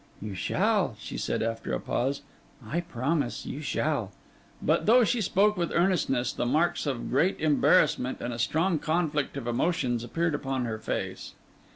'You shall,' she said, after a pause. 'I promise you, you shall.' But though she spoke with earnestness, the marks of great embarrassment and a strong conflict of emotions appeared upon her face.